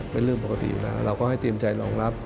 เป็นเรื่องปกติอยู่แล้วเราก็ให้เตรียมใจรองรับ